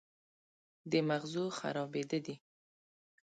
د مغزو خرابېده دي